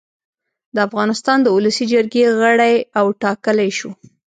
د افغانستان د اولسي جرګې غړی اوټاکلی شو